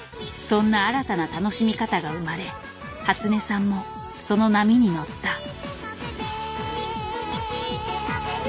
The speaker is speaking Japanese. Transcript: そんな新たな楽しみ方が生まれ初音さんもその波に乗った。